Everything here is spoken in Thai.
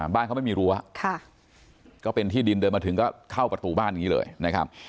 บ้านเขาไม่มีรั้วก็เป็นที่ดินเดินมาถึงก็เข้าประตูบ้านอย่างนี้เลยนะครับ